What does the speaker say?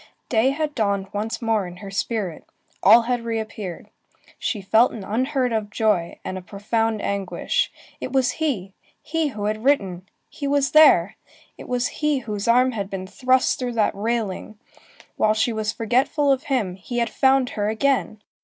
Day had dawned once more in her spirit; all had reappeared. She felt an unheard of joy, and a profound anguish. It was he! he who had written! he was there! it was he whose arm had been thrust through that railing! While she was forgetful of him, he had found her again!